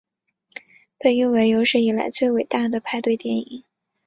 被誉为有史以来最伟大的派对电影。